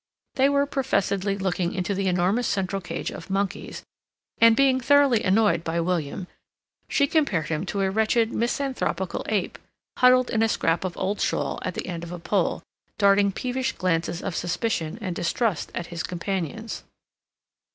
They were professedly looking into the enormous central cage of monkeys, and being thoroughly annoyed by William, she compared him to a wretched misanthropical ape, huddled in a scrap of old shawl at the end of a pole, darting peevish glances of suspicion and distrust at his companions.